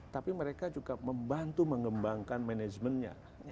tapi mereka juga membantu mengembangkan manajemennya